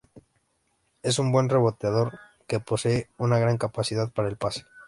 Es un buen reboteador que posee una gran capacidad para el pase.